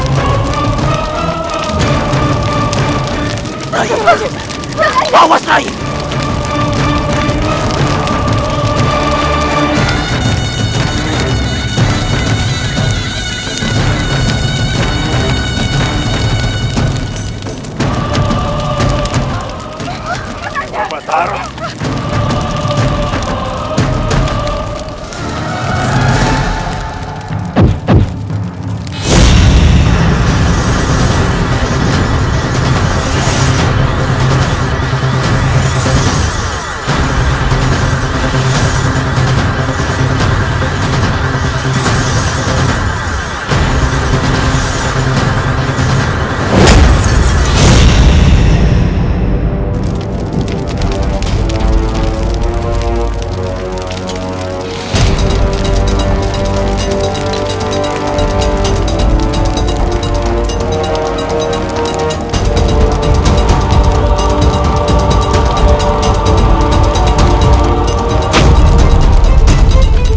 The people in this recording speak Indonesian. maka diembalas magnetic